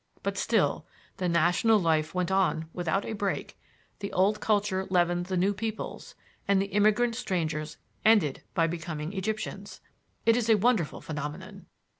But still the national life went on without a break; the old culture leavened the new peoples, and the immigrant strangers ended by becoming Egyptians. It is a wonderful phenomenon.